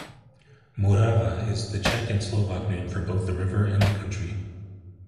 "Morava" is the Czech and Slovak name for both the river and the country.